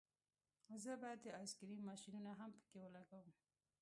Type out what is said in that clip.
زه به د آیس کریم ماشینونه هم پکې ولګوم